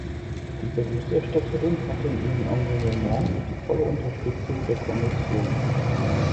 Die Berichterstatterin hat in ihrem Engagement die volle Unterstützung der Kommission.